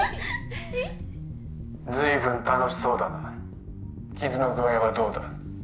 ずいぶん楽しそうだな傷の具合はどうだ？